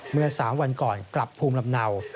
เมื่อ๓วันก่อนกลับภูมิลำเนา